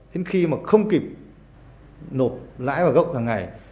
đến khi mà không kịp nộp lãi vào gốc hàng ngày